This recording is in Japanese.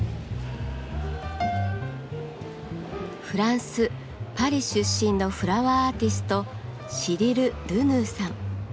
フランス・パリ出身のフラワーアーティストシリル・ルヌーさん。